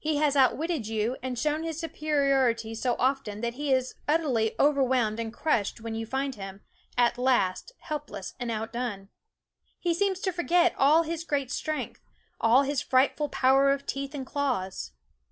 He has outwitted you and shown his superiority so often that he is utterly overwhelmed and crushed when you find him, at last, helpless and outdone. He seems to forget all his great strength, all his frightful power of teeth and claws.